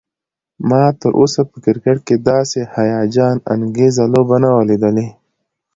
ما تراوسه په کرکټ کې داسې هيجان انګیزه لوبه نه وه لیدلی